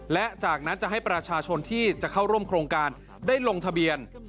และจากนั้นจะให้ประชาชนที่จะเข้าร่วมโครงการได้ลงทะเบียน